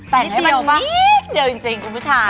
แต่งให้มันนิดเดียวจริงคุณผู้ชาย